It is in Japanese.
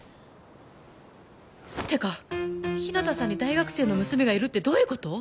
てか日向さんに大学生の娘がいるってどういうこと？